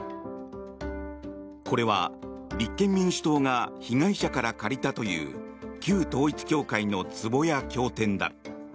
これは立憲民主党が被害者から借りたという旧統一教会のつぼや経典だ。